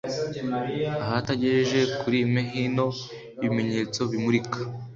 Ahatagejeje kuri m hino y’ ibimenyetso bimurika